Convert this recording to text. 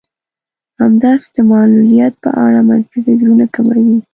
همداسې د معلوليت په اړه منفي فکرونه کموي.